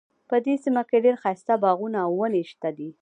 په دې سیمه کې ډیر ښایسته باغونه او ونې شته دي